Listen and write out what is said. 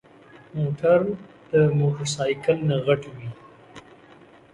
موټر د موټرسايکل نه غټ وي.